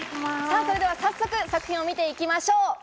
早速、作品を見ていきましょう。